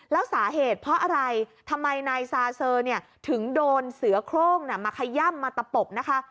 แล้วสาเหตุเพราะอะไรทำไมนายซาเซอร์ถึงโดนเสือโครงมาขย่ำมาตะปบนะคะ